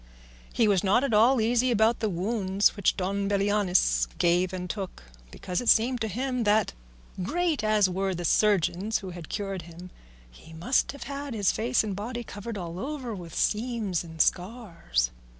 He was not at all easy about the wounds which Don Belianis gave and took, because it seemed to him that, great as were the surgeons who had cured him, he must have had his face and body covered all over with seams and scars.